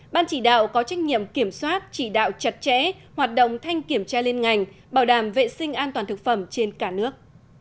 ban chỉ đạo có trách nhiệm kiểm soát chỉ đạo chặt chẽ hoạt động thanh kiểm tra liên ngành bảo đảm vệ sinh an toàn thực phẩm trên cả nước